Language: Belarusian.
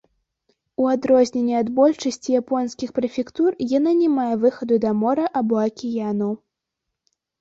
У адрозненне ад большасці японскіх прэфектур, яна не мае выхаду да мора або акіяну.